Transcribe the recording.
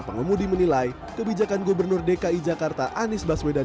pengemudi menilai kebijakan gubernur dki jakarta anies baswedan